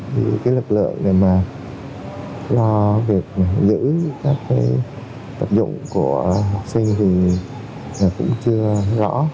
thì cái lực lượng để mà lo việc giữ các cái vật dụng của học sinh thì cũng chưa rõ